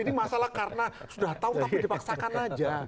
ini masalah karena sudah tahu tapi dipaksakan aja